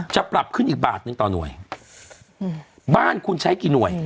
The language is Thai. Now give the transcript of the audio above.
ปรับขึ้นอีกบาทหนึ่งต่อหน่วยบ้านคุณใช้กี่หน่วย